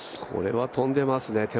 これは飛んでいますね。